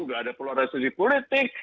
tidak ada polarisasi politik